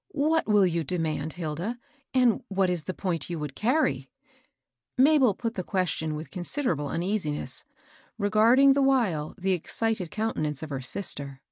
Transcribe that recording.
" What will you demand, Hilda ? and what is the point you would carry? " Mabel put th^question with considerable uneasi ness, regarding the while the excited countenance of her sister.